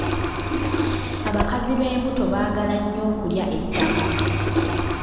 Abakazi b'embuto baagala nnyo okulya ettaka.